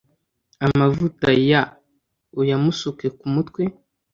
amavuta year uyamusuke ku mutwe